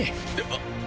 あっ。